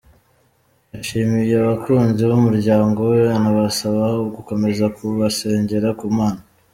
Yashimiye abakunzi b'umuryango we anabasaba gukomeza kubasengera ku Mana.